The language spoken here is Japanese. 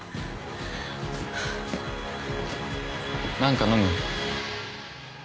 何か飲む？